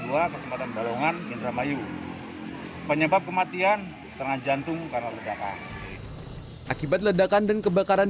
diduga korban terkena serangan jantung karena adanya ledakan kuat saat kebakaran